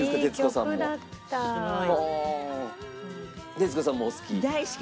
徹子さんもお好き？